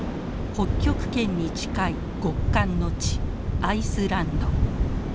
北極圏に近い極寒の地アイスランド。